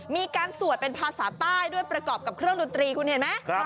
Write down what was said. มีการสวดเป็นภาษาใต้ด้วยประกอบกับเครื่องดนตรีคุณเห็นไหม